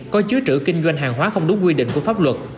có chứa trữ kinh doanh hàng hóa không đúng quy định của pháp luật